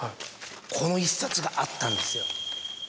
この１冊があったんですよ。